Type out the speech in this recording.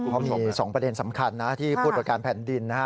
เพราะมี๒ประเด็นสำคัญที่พูดบริการแผ่นดิน